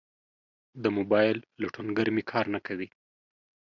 د موبایل لټونګر می کار نه کوي